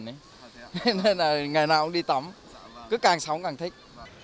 nên ngày nào cũng đi tắm cứ càng sống càng thích